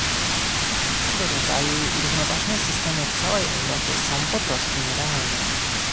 Tego rodzaju równoważne systemy w całej Europie są po prostu nierealne